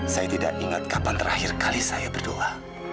saya tidak ingat kapan terakhir kali saya berdoa